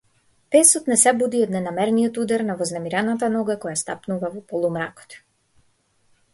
Песот не се буди од ненамерниот удар на вознемирената нога која стапнува во полумракот.